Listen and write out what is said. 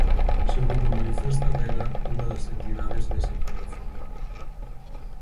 Segundo manifesta Adega, unha da entidades desa plataforma.